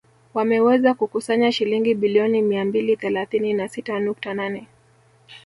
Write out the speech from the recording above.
Wameweza kukusanya shilingi bilioni mia mbili thelathini na sita nukta nane